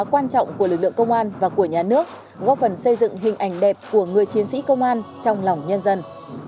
quan trọng của lực lượng công an và của nhà nước góp phần xây dựng hình ảnh đẹp của người chiến sĩ công an trong lòng nhân dân